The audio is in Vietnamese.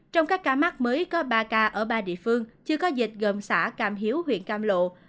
trong các ca mắc mới có ba ca ở ba địa phương chưa có dịch gồm xã cam hiếu huyện cam lộ